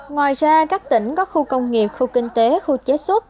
ngoài ra các tỉnh có khu công nghiệp khu kinh tế khu chế xuất